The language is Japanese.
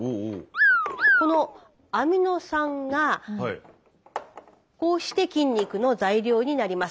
このアミノ酸がこうして筋肉の材料になります。